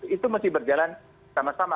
itu mesti berjalan sama sama